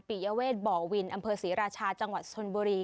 ยเวทบ่อวินอำเภอศรีราชาจังหวัดชนบุรี